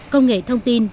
công nghệ thông tin